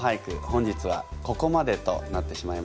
本日はここまでとなってしまいました。